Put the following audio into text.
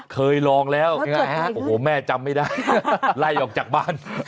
เคยลองแล้วโอ้โหแม่จำไม่ได้ไล่ออกจากบ้าน